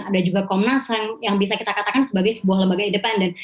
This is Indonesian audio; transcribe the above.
ada juga komnas ham yang bisa kita katakan sebagai sebuah lembaga independen